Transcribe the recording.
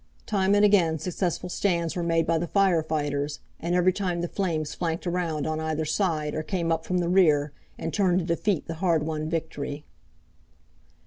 Time and again successful stands were made by the fire fighters, and every time the flames flanked around on either side or came up from the rear, and turned to defeat the hard won victory.